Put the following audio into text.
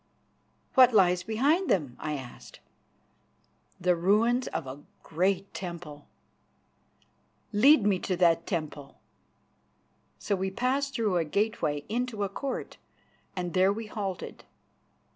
"What lies behind them?" I asked. "The ruins of a great temple." "Lead me to that temple." So we passed through a gateway into a court, and there we halted.